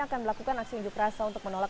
akan melakukan aksi unjuk rasa untuk menolak